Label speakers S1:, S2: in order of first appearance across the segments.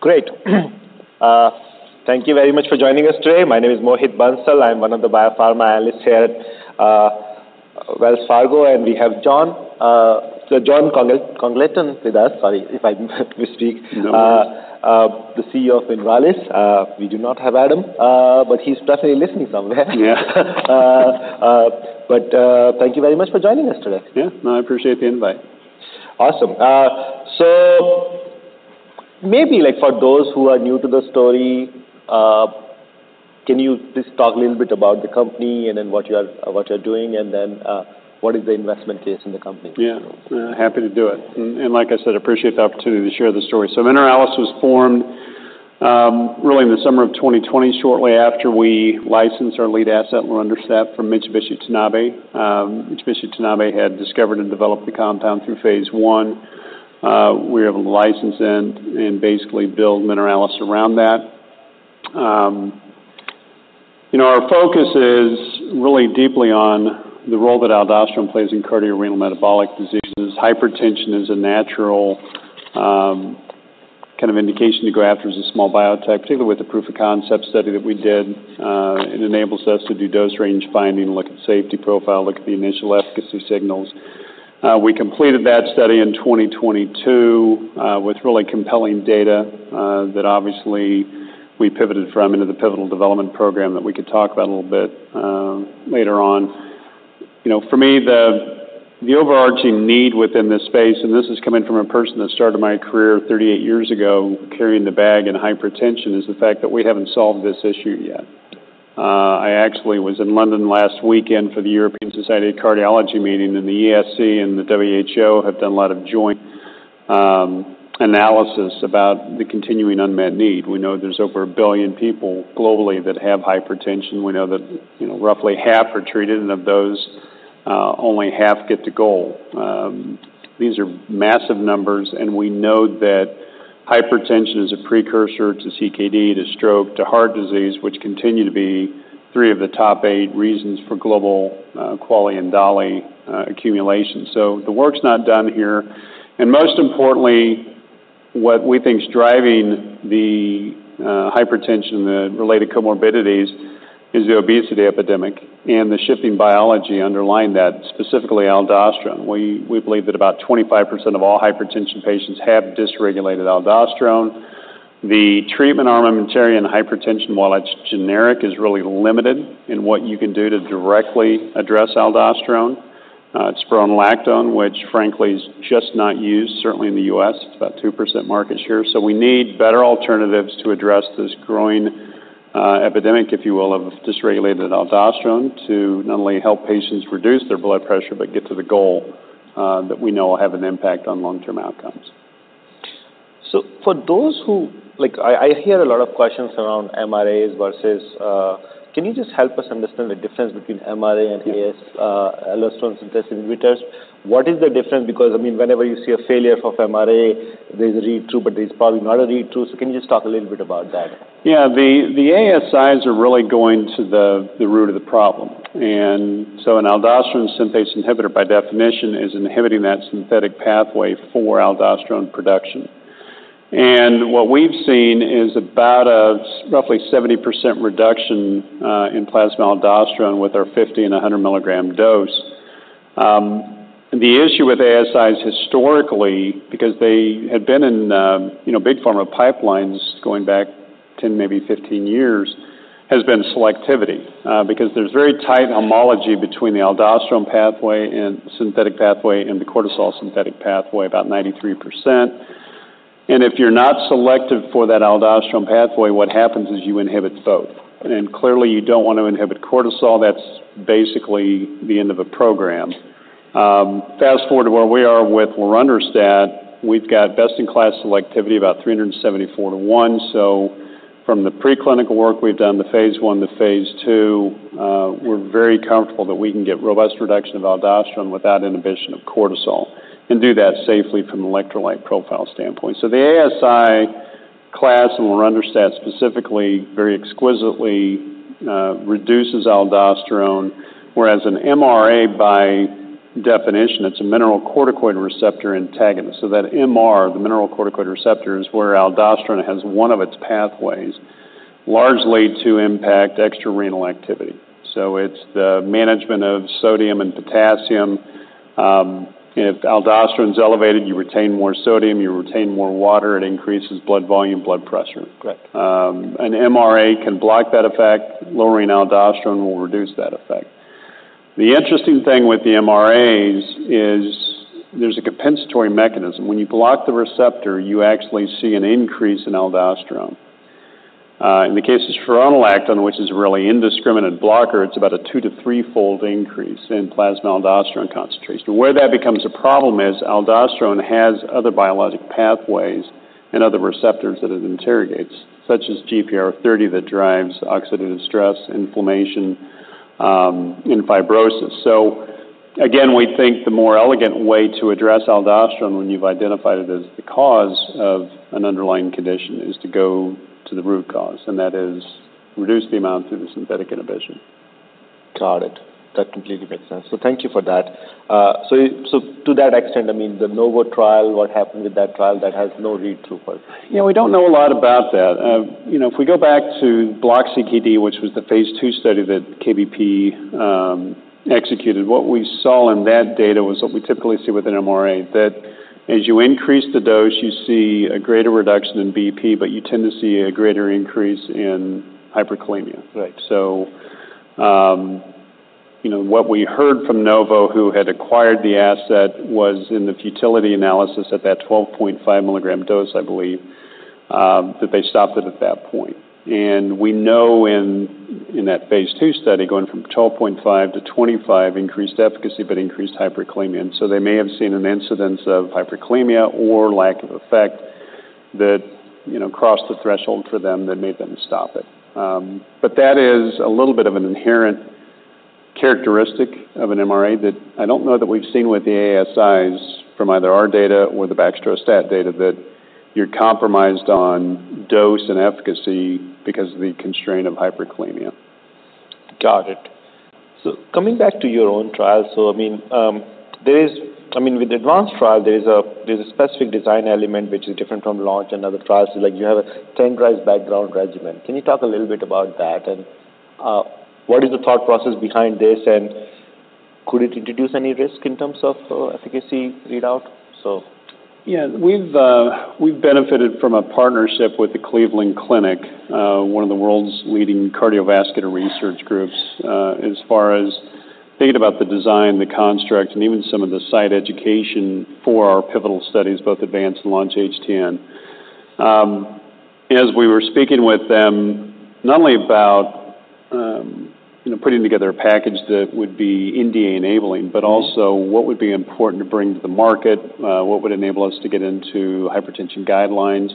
S1: Great. Thank you very much for joining us today. My name is Mohit Bansal. I'm one of the Biopharma Analysts here at Wells Fargo, and we have Jon, so Jon Congleton with us. Sorry if I mis-speak.
S2: No worries.
S1: The CEO of Mineralys. We do not have Adam, but he's definitely listening somewhere.
S2: Yeah.
S1: But thank you very much for joining us today.
S2: Yeah. I appreciate the invite.
S1: Awesome. So maybe, like, for those who are new to the story, can you just talk a little bit about the company and then what you are, what you're doing, and then, what is the investment case in the company?
S2: Yeah, happy to do it. And like I said, appreciate the opportunity to share the story. So Mineralys was formed, really in the summer of 2020, shortly after we licensed our lead asset, lorundrostat, from Mitsubishi Tanabe. Mitsubishi Tanabe had discovered and developed the compound through phase I. We were able to license and basically build Mineralys around that. You know, our focus is really deeply on the role that aldosterone plays in cardiorenal metabolic diseases. Hypertension is a natural, kind of indication to go after as a small biotech, particularly with the proof of concept study that we did. It enables us to do dose range finding, look at safety profile, look at the initial efficacy signals. We completed that study in 2022, with really compelling data, that obviously we pivoted from into the pivotal development program that we could talk about a little bit, later on. You know, for me, the overarching need within this space, and this is coming from a person that started my career 38 years ago, carrying the bag in hypertension, is the fact that we haven't solved this issue yet. I actually was in London last weekend for the European Society of Cardiology meeting, and the ESC and the WHO have done a lot of joint, analysis about the continuing unmet need. We know there's over a billion people globally that have hypertension. We know that, you know, roughly half are treated, and of those, only half get to goal. These are massive numbers, and we know that hypertension is a precursor to CKD, to stroke, to heart disease, which continue to be three of the top eight reasons for global QALY and DALY accumulation. The work's not done here. And most importantly, what we think is driving the hypertension and the related comorbidities is the obesity epidemic and the shifting biology underlying that, specifically aldosterone. We believe that about 25% of all hypertension patients have dysregulated aldosterone. The treatment armamentarium in hypertension, while it's generic, is really limited in what you can do to directly address aldosterone. Spironolactone, which frankly is just not used, certainly in the U.S., it's about 2% market share. So we need better alternatives to address this growing epidemic, if you will, of dysregulated aldosterone to not only help patients reduce their blood pressure, but get to the goal that we know will have an impact on long-term outcomes.
S1: So for those who, I hear a lot of questions around MRAs versus, can you just help us understand the difference between MRA and ASI, aldosterone synthase inhibitors? What is the difference? Because, I mean, whenever you see a failure of MRA, there's a retest, but it's probably not a retest. So can you just talk a little bit about that?
S2: Yeah. The ASIs are really going to the root of the problem. And so an aldosterone synthase inhibitor, by definition, is inhibiting that synthetic pathway for aldosterone production. And what we've seen is roughly 70% reduction in plasma aldosterone with our 50 and 100 milligram dose. The issue with ASIs historically, because they had been in, you know, big pharma pipelines going back to maybe 15 years, has been selectivity. Because there's very tight homology between the aldosterone pathway and synthetic pathway and the cortisol synthetic pathway, about 93%. And if you're not selective for that aldosterone pathway, what happens is you inhibit both, and clearly you don't want to inhibit cortisol. That's basically the end of a program. Fast-forward to where we are with lorundrostat, we've got best-in-class selectivity, about 374-1. So from the preclinical work we've done, the phase I to phase II, we're very comfortable that we can get robust reduction of aldosterone without inhibition of cortisol and do that safely from an electrolyte profile standpoint. So the ASI class and lorundrostat specifically very exquisitely reduces aldosterone, whereas an MRA, by definition, it's a mineralocorticoid receptor antagonist. So that MR, the mineralocorticoid receptor, is where aldosterone has one of its pathways, largely to impact extrarenal activity. So it's the management of sodium and potassium. If aldosterone's elevated, you retain more sodium, you retain more water, it increases blood volume, blood pressure.
S1: Correct.
S2: An MRA can block that effect. Lowering aldosterone will reduce that effect. The interesting thing with the MRAs is there's a compensatory mechanism. When you block the receptor, you actually see an increase in aldosterone. In the case of spironolactone, which is a really indiscriminate blocker, it's about a two to threefold increase in plasma aldosterone concentration. Where that becomes a problem is aldosterone has other biologic pathways and other receptors that it interrogates, such as GPR30, that drives oxidative stress, inflammation, and fibrosis. Again, we think the more elegant way to address aldosterone when you've identified it as the cause of an underlying condition is to go to the root cause, and that is reduce the amount through the synthetic inhibition.
S1: Got it. That completely makes sense. So thank you for that. So to that extent, I mean, the Novo trial, what happened with that trial that has no read through for?
S2: Yeah, we don't know a lot about that. You know, if we go back to BLOCK-CKD, which was the phase II study that KBP executed, what we saw in that data was what we typically see with an MRA, that as you increase the dose, you see a greater reduction in BP, but you tend to see a greater increase in hyperkalemia.
S1: Right.
S2: You know, what we heard from Novo, who had acquired the asset, was in the futility analysis at that 12.5 milligram dose, I believe, that they stopped it at that point. We know in that phase two study, going from 12.5-25 increased efficacy, but increased hyperkalemia. They may have seen an incidence of hyperkalemia or lack of effect that, you know, crossed the threshold for them that made them stop it. That is a little bit of an inherent characteristic of an MRA that I don't know that we've seen with the ASIs from either our data or the baxdrostat data, that you're compromised on dose and efficacy because of the constraint of hyperkalemia.
S1: Got it, so coming back to your own trial, so, I mean, with the Advance trial, there is a specific design element which is different from Launch and other trials. So like you have a standardized background regimen. Can you talk a little bit about that? And what is the thought process behind this, and could it introduce any risk in terms of efficacy readout? So.
S2: Yeah, we've benefited from a partnership with the Cleveland Clinic, one of the world's leading cardiovascular research groups, as far as thinking about the design, the construct, and even some of the site education for our pivotal studies, both Advance and Launch-HTN. As we were speaking with them, not only about you know, putting together a package that would be NDA enabling, but also what would be important to bring to the market, what would enable us to get into hypertension guidelines,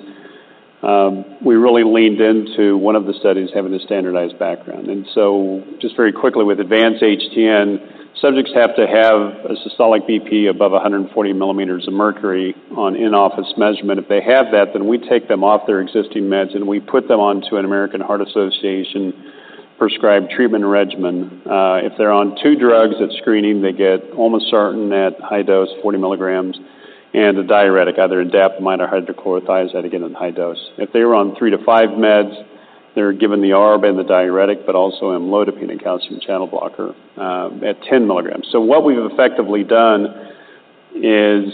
S2: we really leaned into one of the studies having a standardized background. And so just very quickly, with Advance-HTN, subjects have to have a systolic BP above 140 millimeters of mercury on in-office measurement. If they have that, then we take them off their existing meds, and we put them onto an American Heart Association prescribed treatment regimen. If they're on two drugs at screening, they get olmesartan at high dose, 40 milligrams, and a diuretic, either indapamide or hydrochlorothiazide, again, in high dose. If they were on three to five meds, they're given the ARB and the diuretic, but also amlodipine and calcium channel blocker at 10 milligrams. So what we've effectively done is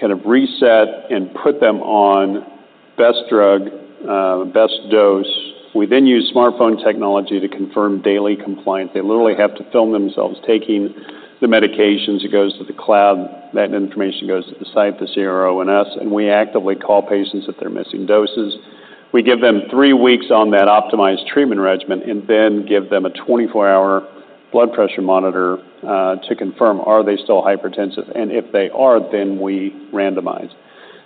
S2: kind of reset and put them on best drug, best dose. We then use smartphone technology to confirm daily compliance. They literally have to film themselves taking the medications. It goes to the cloud. That information goes to the site, the CRO and us, and we actively call patients if they're missing doses. We give them three weeks on that optimized treatment regimen, and then give them a twenty-four-hour blood pressure monitor to confirm, are they still hypertensive? And if they are, then we randomize.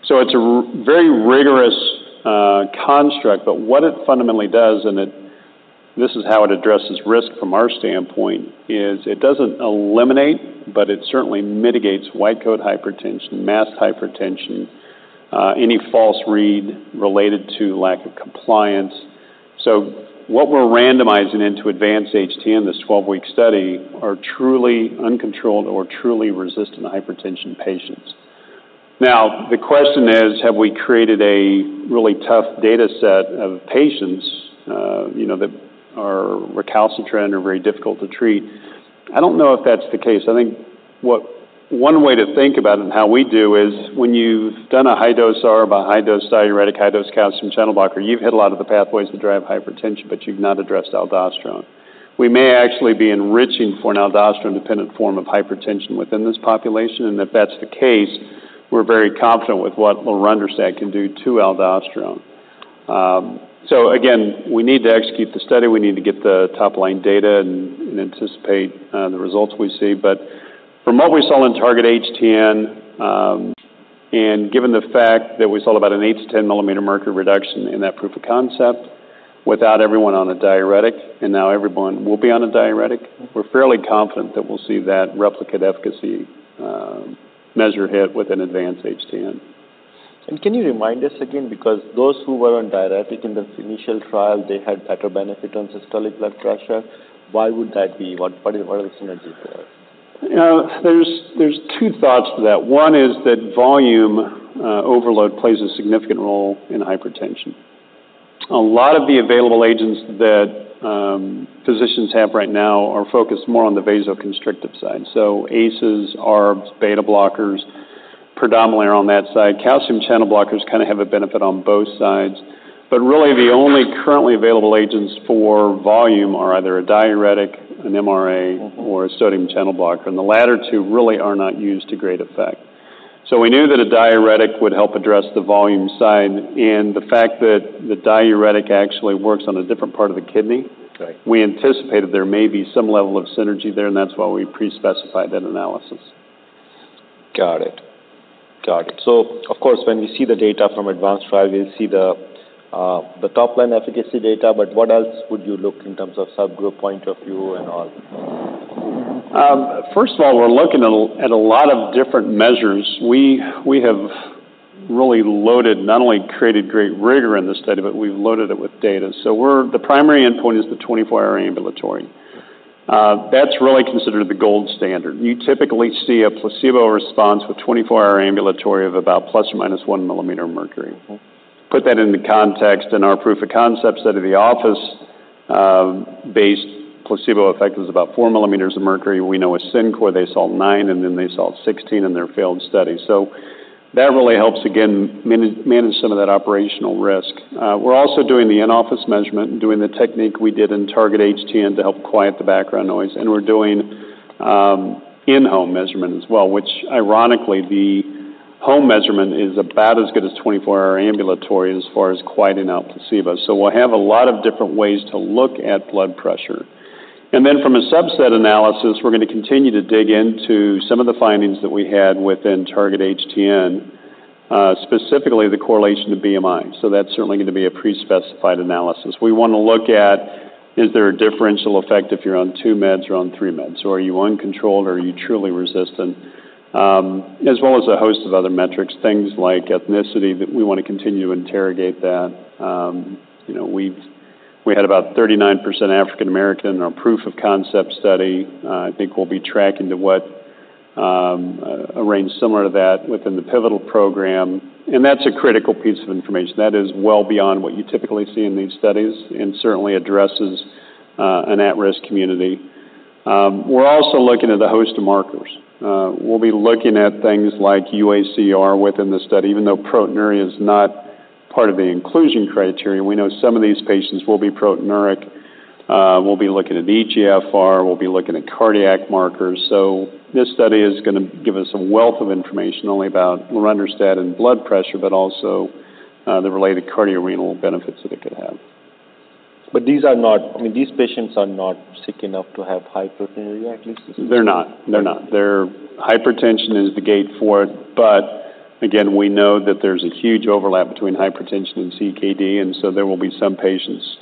S2: So it's a very rigorous construct, but what it fundamentally does, and it, this is how it addresses risk from our standpoint, is it doesn't eliminate, but it certainly mitigates white coat hypertension, masked hypertension, any false read related to lack of compliance. So what we're randomizing into Advance-HTN, this twelve-week study, are truly uncontrolled or truly resistant hypertension patients. Now, the question is, have we created a really tough data set of patients, you know, that are recalcitrant or very difficult to treat? I don't know if that's the case. I think what one way to think about it and how we do is, when you've done a high-dose ARB, a high-dose diuretic, high-dose calcium channel blocker, you've hit a lot of the pathways that drive hypertension, but you've not addressed aldosterone. We may actually be enriching for an aldosterone-dependent form of hypertension within this population, and if that's the case, we're very confident with what lorundrostat can do to aldosterone. So again, we need to execute the study. We need to get the top-line data and anticipate the results we see. But from what we saw in Target-HTN, and given the fact that we saw about an eight to ten millimeters of mercury reduction in that proof of concept without everyone on a diuretic, and now everyone will be on a diuretic, we're fairly confident that we'll see that replicate efficacy measure hit with an Advance-HTN.
S1: Can you remind us again, because those who were on diuretic in the initial trial, they had better benefit on systolic blood pressure. Why would that be? What are the synergies there?
S2: You know, there's two thoughts to that. One is that volume overload plays a significant role in hypertension. A lot of the available agents that physicians have right now are focused more on the vasoconstrictive side. So ACEs, ARBs, beta-blockers predominantly are on that side. Calcium channel blockers kind of have a benefit on both sides, but really, the only currently available agents for volume are either a diuretic, an MRA.
S1: Mm-hmm.
S2: or a sodium channel blocker, and the latter two really are not used to great effect. So we knew that a diuretic would help address the volume side, and the fact that the diuretic actually works on a different part of the kidney.
S1: Right.
S2: We anticipated there may be some level of synergy there, and that's why we pre-specified that analysis.
S1: Got it. Got it. So of course, when we see the data from Advance trial, we'll see the top-line efficacy data, but what else would you look in terms of subgroup point of view and all?
S2: First of all, we're looking at a lot of different measures. We have really loaded, not only created great rigor in this study, but we've loaded it with data. So we're the primary endpoint is the twenty-four-hour ambulatory. That's really considered the gold standard. You typically see a placebo response with 24 hour ambulatory of about plus or minus one millimeter of mercury.
S1: Mm-hmm.
S2: Put that into context, in our proof of concept study, the office based placebo effect is about four millimeters of mercury. We know with CinCor, they saw nine, and then they saw 16 in their failed study. So that really helps, again, manage some of that operational risk. We're also doing the in-office measurement and doing the technique we did in Target-HTN to help quiet the background noise. And we're doing in-home measurement as well, which ironically, the home measurement is about as good as 24 hour ambulatory as far as quieting out placebo. So we'll have a lot of different ways to look at blood pressure. And then from a subset analysis, we're gonna continue to dig into some of the findings that we had within Target-HTN, specifically the correlation to BMI. So that's certainly going to be a pre-specified analysis. We wanna look at, is there a differential effect if you're on two meds or on three meds? Or are you uncontrolled, or are you truly resistant? As well as a host of other metrics, things like ethnicity, that we wanna continue to interrogate that. You know, we had about 39% African American in our proof of concept study. I think we'll be tracking to what, a range similar to that within the pivotal program, and that's a critical piece of information. That is well beyond what you typically see in these studies and certainly addresses an at-risk community. We're also looking at a host of markers. We'll be looking at things like UACR within the study, even though proteinuria is not part of the inclusion criteria. We know some of these patients will be proteinuria. We'll be looking at eGFR, we'll be looking at cardiac markers. So this study is gonna give us a wealth of information, not only about lorundrostat and blood pressure, but also, the related cardiorenal benefits that it could have.
S1: But these are not, I mean, these patients are not sick enough to have high proteinuria, at least?
S2: They're not. They're not. Their hypertension is the gate for it, but again, we know that there's a huge overlap between hypertension and CKD, and so there will be some patients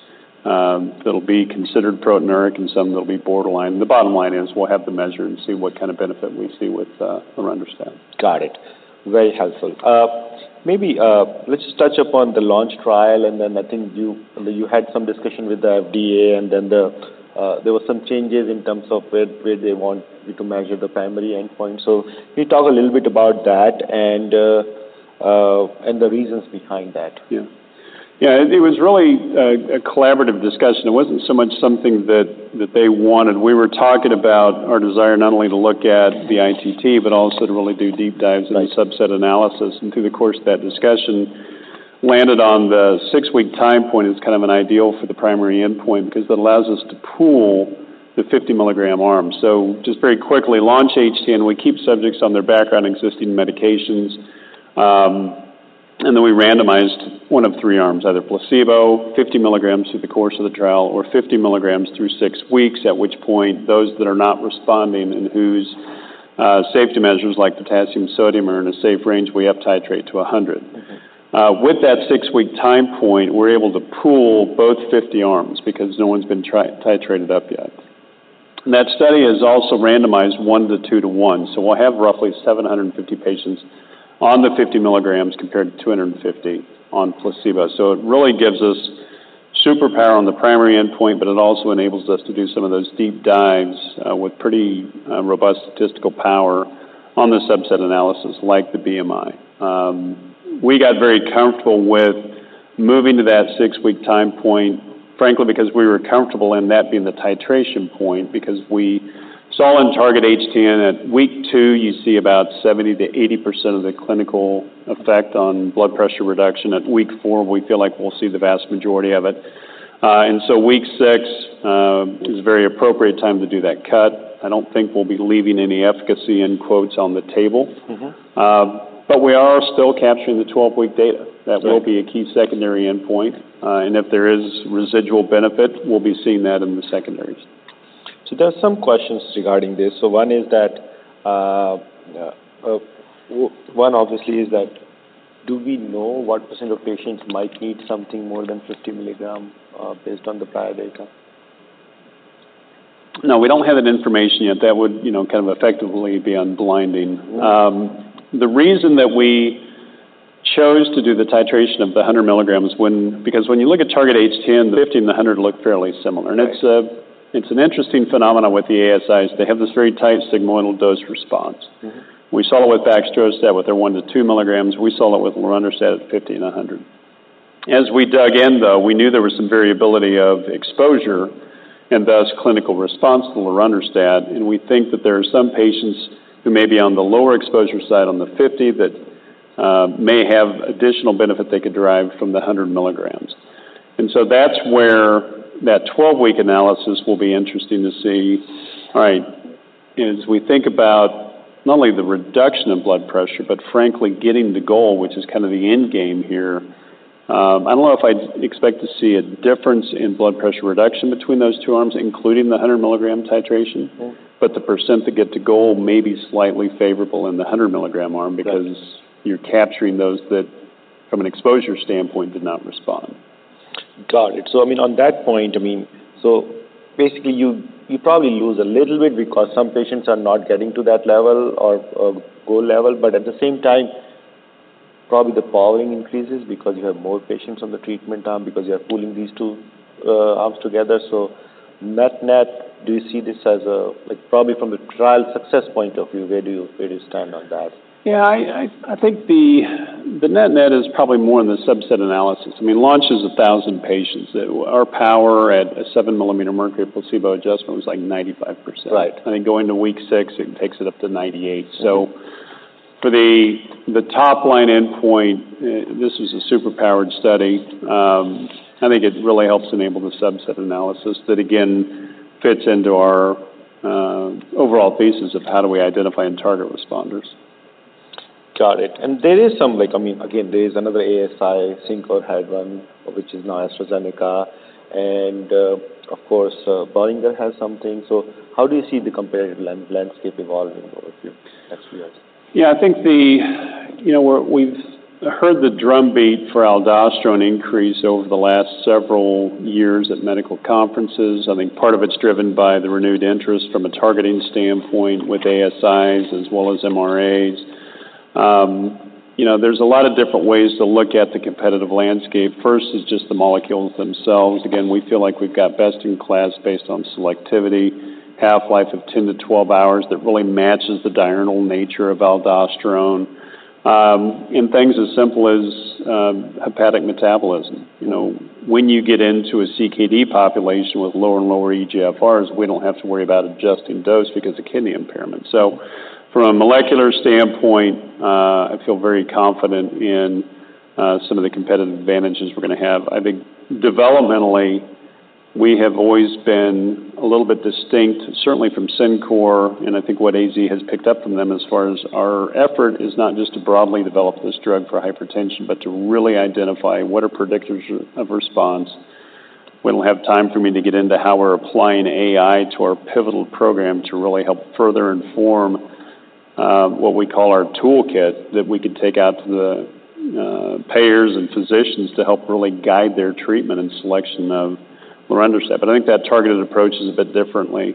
S2: that'll be considered proteinuria, and some that'll be borderline. The bottom line is we'll have the measure and see what kind of benefit we see with lorundrostat.
S1: Got it. Very helpful. Maybe, let's just touch upon the Launch trial, and then I think you had some discussion with the FDA, and then there were some changes in terms of where they want you to measure the primary endpoint. So can you talk a little bit about that and the reasons behind that?
S2: Yeah. Yeah, it was really a collaborative discussion. It wasn't so much something that they wanted. We were talking about our desire not only to look at the ITT, but also to really do deep dives-
S1: Right
S2: -in the subset analysis. And through the course of that discussion, landed on the six-week time point as kind of an ideal for the primary endpoint, because it allows us to pool the 50 milligram arm. So just very quickly, Launch-HTN, we keep subjects on their background, existing medications, and then we randomized one of three arms, either placebo, fifty milligrams through the course of the trial or 50 milligrams through six weeks, at which point, those that are not responding and whose safety measures, like potassium, sodium, are in a safe range, we uptitrate to a 100.
S1: Mm-hmm.
S2: With that six-week time point, we're able to pool both 50 arms because no one's been titrated up yet. That study is also randomized one to two to one, so we'll have roughly 750 patients on the 50 milligrams compared to 250 on placebo. So it really gives us superpower on the primary endpoint, but it also enables us to do some of those deep dives with pretty robust statistical power on the subset analysis, like the BMI. We got very comfortable with moving to that six-week time point, frankly, because we were comfortable in that being the titration point, because we saw in Target-HTN, at week two, you see about 70%-80% of the clinical effect on blood pressure reduction. At week four, we feel like we'll see the vast majority of it. And so week six is a very appropriate time to do that cut. I don't think we'll be leaving any efficacy in quotes on the table.
S1: Mm-hmm.
S2: But we are still capturing the 12-week data.
S1: Right.
S2: That will be a key secondary endpoint, and if there is residual benefit, we'll be seeing that in the secondaries.
S1: There are some questions regarding this. One is that, obviously, is that, do we know what % of patients might need something more than 50 milligram, based on the prior data?
S2: No, we don't have that information yet. That would, you know, kind of effectively be unblinding.
S1: Mm.
S2: The reason that we chose to do the titration of the 100 milligrams, when, because when you look at Target-HTN, the 50 and the 100 look fairly similar.
S1: Right.
S2: It's an interesting phenomenon with the ASIs. They have this very tight sigmoidal dose-response.
S1: Mm-hmm.
S2: We saw it with baxdrostat with their 1-2 milligrams. We saw it with lorundrostat at 50 and 100. As we dug in, though, we knew there was some variability of exposure and thus clinical response to lorundrostat, and we think that there are some patients who may be on the lower exposure side, on the 50, that may have additional benefit they could derive from the 100 milligrams. And so that's where that 12-week analysis will be interesting to see. Right. As we think about not only the reduction of blood pressure, but frankly, getting the goal, which is kind of the end game here, I don't know if I'd expect to see a difference in blood pressure reduction between those two arms, including the 100 milligram titration.
S1: Mm.
S2: But the percent that get to goal may be slightly favorable in the 100 milligram arm-
S1: Got it
S2: -because you're capturing those that, from an exposure standpoint, did not respond.
S1: Got it. So, I mean, on that point, I mean, so basically, you, you probably lose a little bit because some patients are not getting to that level or, or goal level, but at the same time, probably the powering increases because you have more patients on the treatment arm, because you are pooling these two arms together. So net-net, do you see this as a, like, probably from a trial success point of view, where do you, where do you stand on that?
S2: I think the net-net is probably more in the subset analysis. I mean, Launch is 1,000 patients. Our power at a 7 millimeter mercury placebo adjustment was, like, 95%.
S1: Right.
S2: I think going to week six, it takes it up to 98. So for the top line endpoint, this was a super powered study. I think it really helps enable the subset analysis that, again, fits into our overall thesis of how do we identify and target responders.
S1: Got it. And there is some, like, I mean, again, there is another ASI. CinCor had one, which is now AstraZeneca, and, of course, Boehringer has something. So how do you see the competitive landscape evolving over the next few years?
S2: Yeah, I think the. You know, we've heard the drumbeat for aldosterone increase over the last several years at medical conferences. I think part of it's driven by the renewed interest from a targeting standpoint with ASIs as well as MRAs. You know, there's a lot of different ways to look at the competitive landscape. First is just the molecules themselves. Again, we feel like we've got best in class based on selectivity, half-life of 10-12 hours that really matches the diurnal nature of aldosterone. And things as simple as hepatic metabolism. You know, when you get into a CKD population with lower and lower eGFRs, we don't have to worry about adjusting dose because of kidney impairment. So from a molecular standpoint, I feel very confident in some of the competitive advantages we're gonna have. I think developmentally, we have always been a little bit distinct, certainly from CinCor, and I think what AZ has picked up from them as far as our effort, is not just to broadly develop this drug for hypertension, but to really identify what are predictors of response. We don't have time for me to get into how we're applying AI to our pivotal program to really help further inform, what we call our toolkit, that we can take out to the payers and physicians to help really guide their treatment and selection of patients. But I think that targeted approach is a bit differently,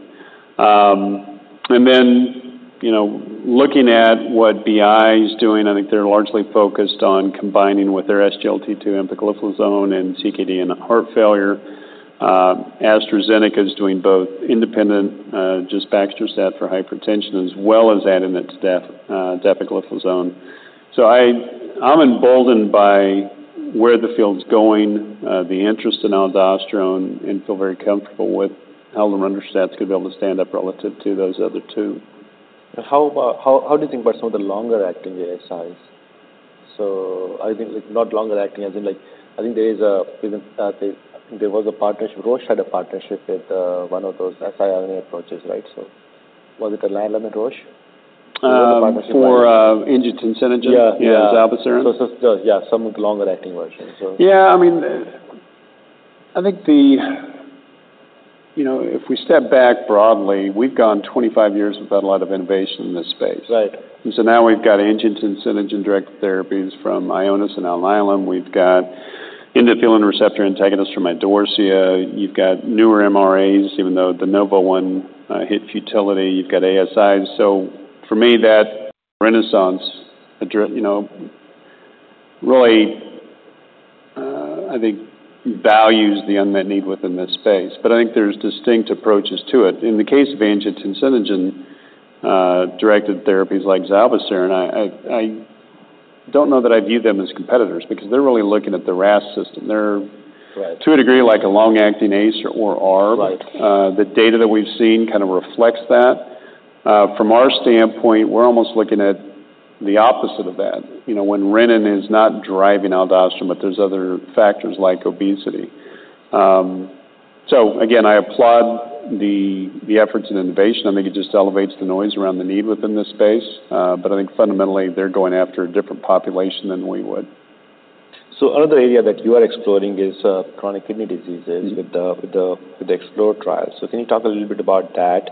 S2: and then, you know, looking at what BI is doing, I think they're largely focused on combining with their SGLT2 and dapagliflozin in CKD and heart failure. AstraZeneca is doing both independent, just baxdrostat for hypertension, as well as adding it to dapagliflozin. So I'm emboldened by where the field's going, the interest in aldosterone and feel very comfortable with how the Mineralys is going to be able to stand up relative to those other two.
S1: How do you think about some of the longer acting ASIs? So I think, like, not longer acting, I think, like, I think there was a partnership. Roche had a partnership with one of those SI RNA approaches, right? So was it Alnylam and Roche?
S2: Um-
S1: The partnership-
S2: -for, angiotensinogen?
S1: Yeah.
S2: Yeah, zilebesiran.
S1: So yeah, some of the longer acting versions, so.
S2: Yeah, I mean, I think, you know, if we step back broadly, we've gone twenty-five years without a lot of innovation in this space.
S1: Right.
S2: And so now we've got angiotensin directed therapies from Ionis and Alnylam. We've got endothelin receptor antagonists from Idorsia. You've got newer MRAs, even though the Novo one hit futility, you've got ASIs. So for me, that renaissance, you know, really, I think values the unmet need within this space, but I think there's distinct approaches to it. In the case of angiotensinogen directed therapies like zilebesiran, I don't know that I view them as competitors, because they're really looking at the RAS system. They're-
S1: Right
S2: -to a degree, like a long-acting ACE or ARB.
S1: Right.
S2: The data that we've seen kind of reflects that. From our standpoint, we're almost looking at the opposite of that. You know, when renin is not driving aldosterone, but there's other factors like obesity. So again, I applaud the efforts and innovation. I think it just elevates the noise around the need within this space, but I think fundamentally, they're going after a different population than we would.
S1: So another area that you are exploring is, chronic kidney diseases-
S2: Mm-hmm
S1: -with the Explore trial. So can you talk a little bit about that?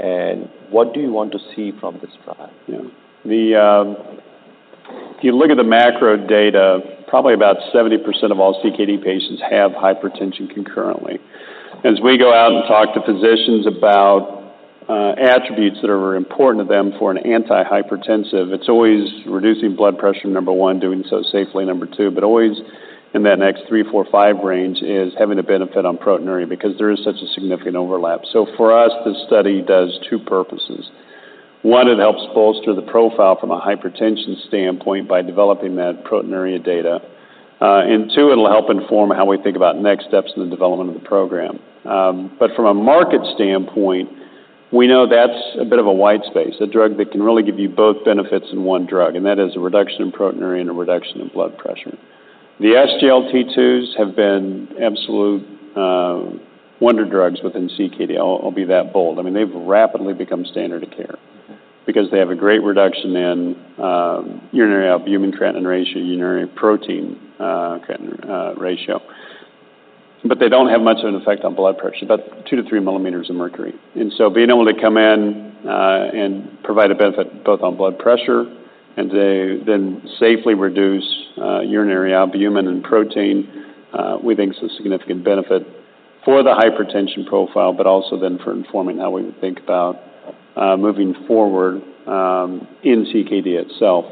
S1: And what do you want to see from this trial?
S2: Yeah. The, if you look at the macro data, probably about 70% of all CKD patients have hypertension concurrently. As we go out and talk to physicians about, attributes that are important to them for an antihypertensive, it's always reducing blood pressure, number one, doing so safely, number two, but always in that next three, four, five range is having a benefit on proteinuria, because there is such a significant overlap. So for us, this study does two purposes: One, it helps bolster the profile from a hypertension standpoint by developing that proteinuria data. And two, it'll help inform how we think about next steps in the development of the program. But from a market standpoint, we know that's a bit of a wide space, a drug that can really give you both benefits in one drug, and that is a reduction in proteinuria and a reduction in blood pressure. The SGLT2s have been absolute, wonder drugs within CKD. I'll be that bold. I mean, they've rapidly become standard of care.
S1: Okay
S2: Because they have a great reduction in urinary albumin-creatinine ratio, urinary protein, creatinine ratio. But they don't have much of an effect on blood pressure, about two to three millimeters of mercury. And so being able to come in and provide a benefit both on blood pressure and they then safely reduce urinary albumin and protein, we think is a significant benefit for the hypertension profile, but also then for informing how we would think about moving forward in CKD itself.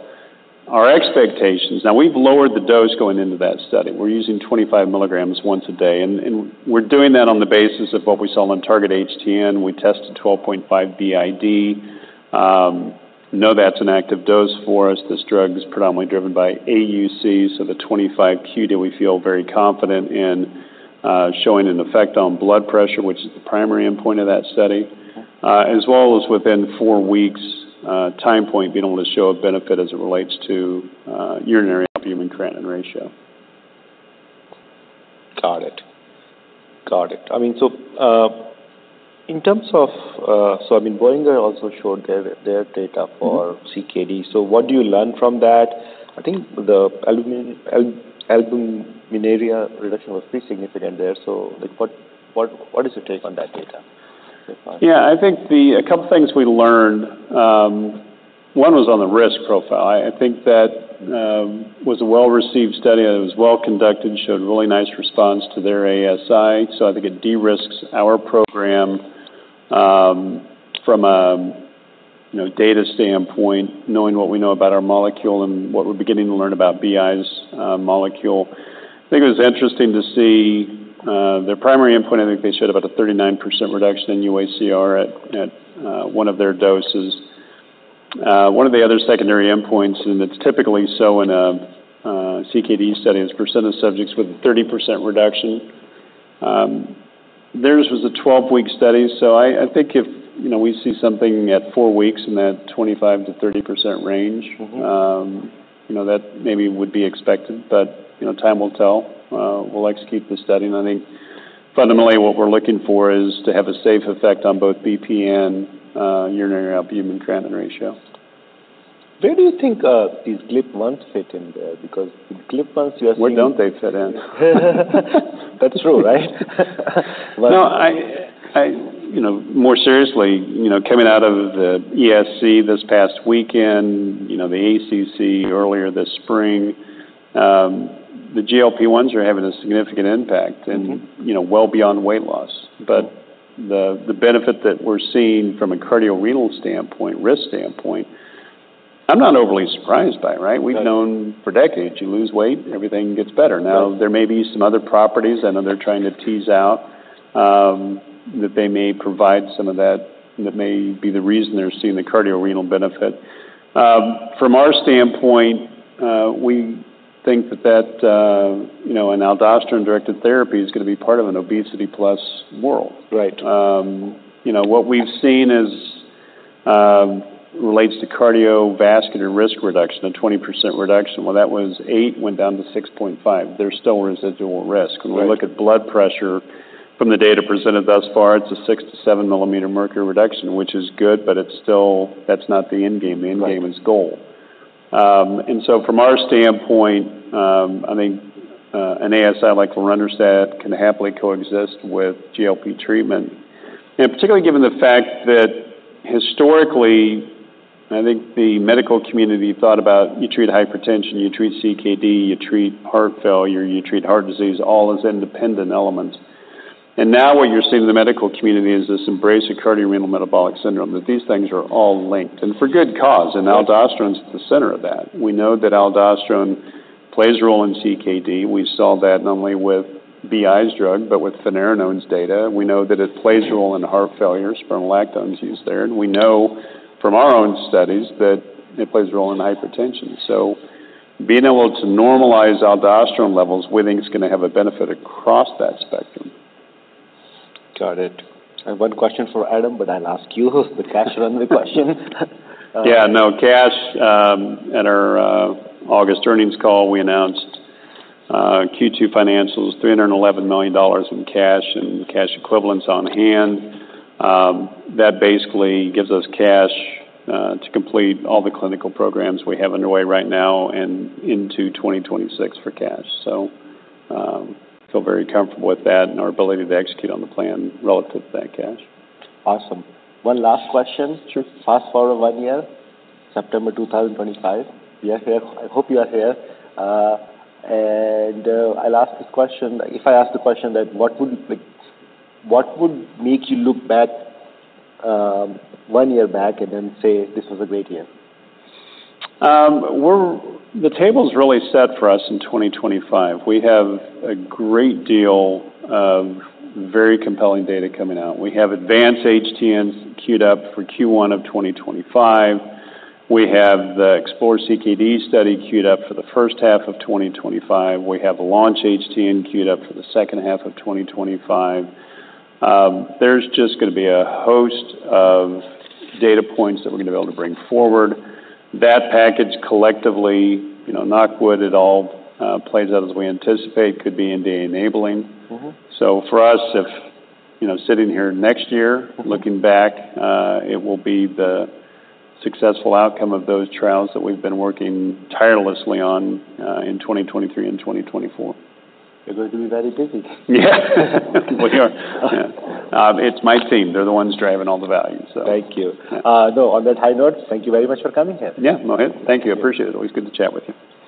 S2: Our expectations. Now, we've lowered the dose going into that study. We're using 25 milligrams once a day, and we're doing that on the basis of what we saw in Target-HTN. We tested 12.5 BID. You know that's an active dose for us. This drug is predominantly driven by AUC, so the 25 QD, we feel very confident in, showing an effect on blood pressure, which is the primary endpoint of that study. As well as within four weeks, time point, being able to show a benefit as it relates to, urinary albumin-creatinine ratio.
S1: Got it. Got it. I mean, so, in terms of, so, I mean, Boehringer also showed their data for CKD.
S2: Mm-hmm.
S1: So what do you learn from that? I think the albuminuria reduction was pretty significant there, so, like, what is your take on that data so far?
S2: Yeah, I think. A couple things we learned, one was on the risk profile. I think that was a well-received study, and it was well-conducted, showed really nice response to their ASI. So I think it de-risks our program, from a, you know, data standpoint, knowing what we know about our molecule and what we're beginning to learn about BI's molecule. I think it was interesting to see their primary endpoint, I think they showed about a 39% reduction in UACR at one of their doses. One of the other secondary endpoints, and it's typically so in a CKD study, is percent of subjects with a 30% reduction. Theirs was a 12-week study, so I think if, you know, we see something at four weeks in that 25%-30% range.
S1: Mm-hmm
S2: You know, that maybe would be expected, but, you know, time will tell. We'll execute the study, and I think fundamentally what we're looking for is to have a safe effect on both BP and urinary albumin-creatinine ratio.
S1: Where do you think these GLP-1 fit in there? Because the GLP-1s you are seeing.
S2: Where don't they fit in?
S1: That's true, right? But.
S2: No, I. You know, more seriously, you know, coming out of the ESC this past weekend, you know, the ACC earlier this spring, the GLP-1s are having a significant impact.
S1: Mm-hmm
S2: And, you know, well beyond weight loss. But the benefit that we're seeing from a cardiorenal standpoint, risk standpoint, I'm not overly surprised by it, right?
S1: Right.
S2: We've known for decades, you lose weight, everything gets better.
S1: Right.
S2: Now, there may be some other properties I know they're trying to tease out, that they may provide some of that, that may be the reason they're seeing the cardiorenal benefit. From our standpoint, we think that, you know, an aldosterone-directed therapy is gonna be part of an obesity plus world.
S1: Right.
S2: You know, what we've seen as relates to cardiovascular risk reduction, a 20% reduction, well, that was eight, went down to 6.5%. There's still residual risk.
S1: Right.
S2: When we look at blood pressure from the data presented thus far, it's a 6-7 millimeters of mercury reduction, which is good, but it's still... That's not the end game.
S1: Right.
S2: The endgame is goal. And so from our standpoint, I mean, an ASI like lorundrostat can happily coexist with GLP-1 treatment. And particularly given the fact that historically, I think the medical community thought about you treat hypertension, you treat CKD, you treat heart failure, you treat heart disease, all as independent elements. And now what you're seeing in the medical community is this embrace of cardiorenal metabolic syndrome, that these things are all linked, and for good cause.
S1: Right
S2: And aldosterone's at the center of that. We know that aldosterone plays a role in CKD. We saw that not only with BI's drug, but with finerenone's data. We know that it plays a role in heart failure, spironolactone is used there, and we know from our own studies that it plays a role in hypertension. So being able to normalize aldosterone levels, we think is gonna have a benefit across that spectrum.
S1: Got it. I have one question for Adam, but I'll ask you the cash run question.
S2: Yeah, no, cash at our August earnings call, we announced Q2 financials, $311 million in cash and cash equivalents on hand. That basically gives us cash to complete all the clinical programs we have underway right now and into 2026 for cash. So, feel very comfortable with that and our ability to execute on the plan relative to that cash.
S1: Awesome. One last question.
S2: Sure.
S1: Fast-forward one year, September 2025. We are here. I hope you are here, and I'll ask this question, if I ask the question that what would make you look back, one year back and then say, "This was a great year?
S2: The table's really set for us in 2025. We have a great deal of very compelling data coming out. We have Advance-HTN queued up for Q1 of 2025. We have the Explore-CKD study queued up for the H1 of 2025. We have the Launch-HTN queued up for the H2 of 2025. There's just gonna be a host of data points that we're gonna be able to bring forward. That package collectively, you know, knock wood, it all plays out as we anticipate, could be indeed enabling.
S1: Mm-hmm.
S2: So, for us, if, you know, sitting here next year-
S1: Mm-hmm
S2: -looking back, it will be the successful outcome of those trials that we've been working tirelessly on in 2023 and 2024.
S1: You're going to be very busy.
S2: Yeah. We are. Yeah. It's my team. They're the ones driving all the value, so.
S1: Thank you.
S2: Yeah.
S1: No, on that high note, thank you very much for coming here.
S2: Yeah, Mohit. Thank you. Appreciate it. Always good to chat with you.